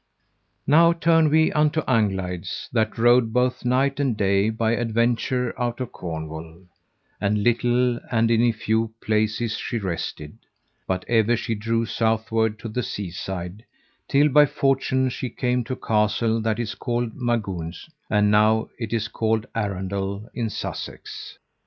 Now turn we unto Anglides, that rode both night and day by adventure out of Cornwall, and little and in few places she rested; but ever she drew southward to the seaside, till by fortune she came to a castle that is called Magouns, and now it is called Arundel, in Sussex.